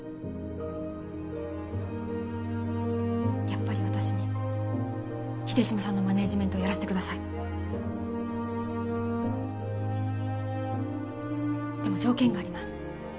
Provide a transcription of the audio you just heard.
やっぱり私に秀島さんのマネージメントをやらせてくださいでも条件があります